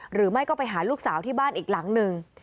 หรือไม่ก็ไปหาลูกสาวที่บ้านอีกหลังหนึ่ง